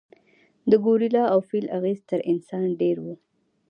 د ګورېلا او فیل اغېز تر انسان ډېر و.